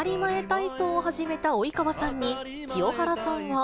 体操を始めた及川さんに、清原さんは。